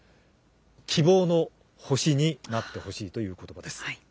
希望の星になってほしいということばです。